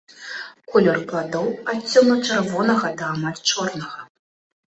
Колер пладоў ад цёмна-чырвонага да амаль чорнага.